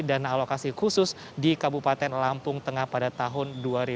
dan alokasi khusus di kabupaten lampung tengah pada tahun dua ribu tujuh belas